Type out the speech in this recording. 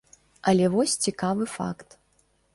Але вось цікавы факт.